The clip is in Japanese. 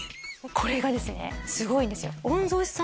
これがですねすごいんですよ御曹司さん